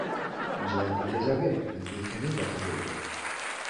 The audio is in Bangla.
জল নিতে যাবে, নাকি এখানেই কথা বলবে?